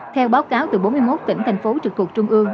theo báo cáo từ bốn mươi một tỉnh thành phố trực thuộc trung ương